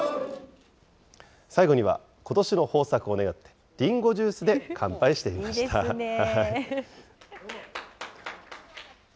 最後には、ことしの豊作を願って、りんごジュースで乾杯していいですね。